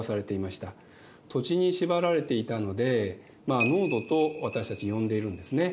土地に縛られていたので農奴と私たち呼んでいるんですね。